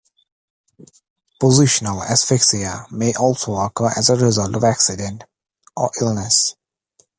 Positional asphyxia may also occur as a result of accident or illness.